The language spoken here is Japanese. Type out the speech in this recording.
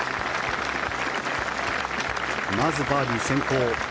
まずバーディー先行。